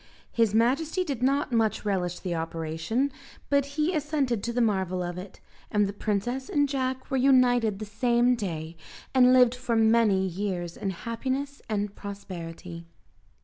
His majesty did not much relish the operation, but he assented to the marvel of it, and the princess and Jack were united the same day, and lived for many years in happiness and prosperity.